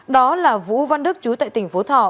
đó là vũ văn đức chú tại tỉnh phú thọ